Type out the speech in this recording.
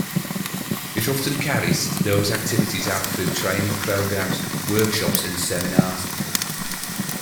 It often carries those activities out through training programs, workshops and seminars.